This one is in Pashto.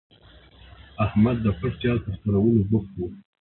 احمد د پټ جال په خپرولو بوخت وو.